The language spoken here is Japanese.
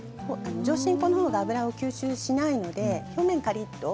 上新粉の方が油を吸収しないので表面はカリっと。